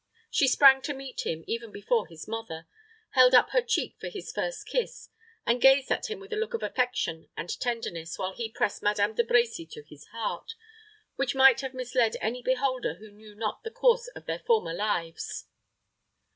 She sprang to meet him, even before his mother, held up her cheek for his first kiss, and gazed at him with a look of affection and tenderness, while he pressed Madame De Brecy to his heart, which might have misled any beholder who knew not the course of their former lives.